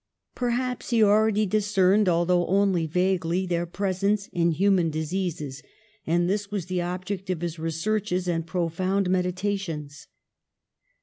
Perhaps he already discerned, although only vaguely, their presence in human diseases, and this was the object of his researches and profound med itations.